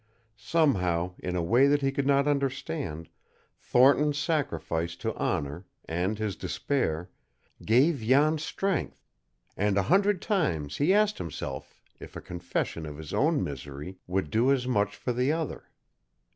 Somehow, in a way that he could not understand, Thornton's sacrifice to honor, and his despair, gave Jan strength, and a hundred times he asked himself if a confession of his own misery would do as much for the other.